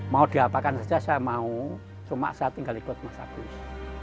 mau diapakan saja saya mau cuma saya tinggal ikut mas agus